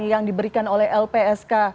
yang diberikan oleh lpsk